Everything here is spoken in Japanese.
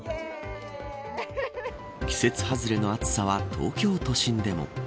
季節外れの暑さは東京都心でも。